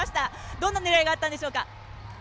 どんな狙いがあったんでしょうか。